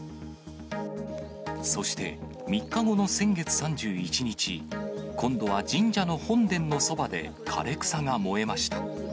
そして３日後の先月３１日、今度は神社の本殿のそばで枯れ草が燃えました。